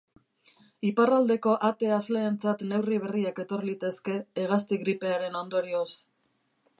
Iparraldeko ahate hazleentzat neurri berriak etor litezke hegazti gripearen ondorioz.